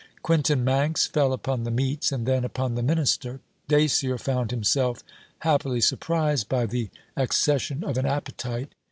Quintin Manx fell upon the meats, and then upon the Minister. Dacier found himself happily surprised by the accession of an appetite.